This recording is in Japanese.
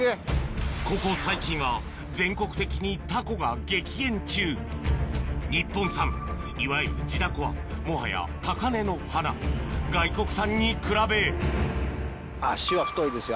ここ最近は日本産いわゆる地ダコはもはや高根の花外国産に比べ足は太いですよ